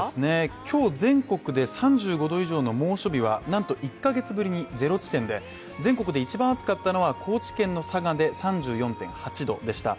今日全国で３５度以上の猛暑日はなんと１カ月ぶりにゼロ地点で全国で一番暑かったのは高知県の佐賀で３４．８度でした。